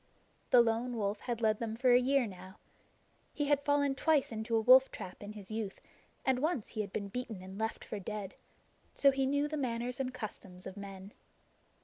The Lone Wolf had led them for a year now. He had fallen twice into a wolf trap in his youth, and once he had been beaten and left for dead; so he knew the manners and customs of men.